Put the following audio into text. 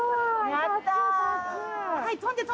やった！